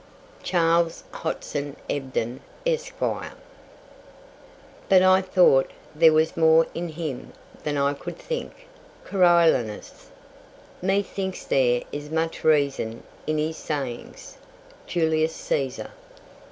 CHARLES HOTSON EBDEN, ESQUIRE. "But I thought there was more in him than I could think." Coriolanus. "Methinks there is much reason in his sayings." Julius Caesar.